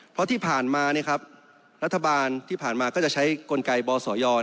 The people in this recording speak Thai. เพราะที่ผ่านมารัฐบาลที่ผ่านมาก็จะใช้กลไกบสย